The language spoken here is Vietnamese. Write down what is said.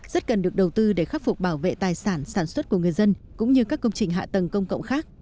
rất cần được đầu tư để khắc phục bảo vệ tài sản sản xuất của người dân cũng như các công trình hạ tầng công cộng khác